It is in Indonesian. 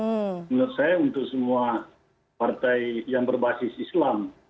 menurut saya untuk semua partai yang berbasis islam